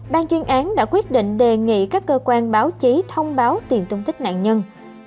ban chuyên án đã quyết định đề nghị các cơ quan báo chí thông báo tìm tung tích nạn nhân